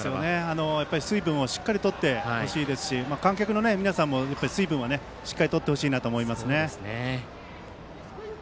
水分をしっかりとってほしいですし観客の皆さんも水分をしっかりとってほしいなと思います。